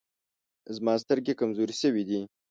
زما سترګي کمزوري سوي دی.